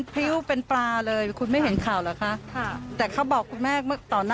ทวีแน่นอนค่ะตอนนี้ฮอตฮอตมากเลย